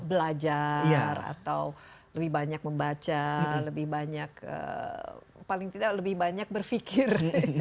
belajar atau lebih banyak membaca lebih banyak paling tidak lebih banyak berpikir